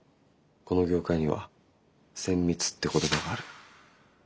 この業界には「千三つ」って言葉がある。